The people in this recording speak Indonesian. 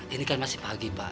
ini kan masih pagi pak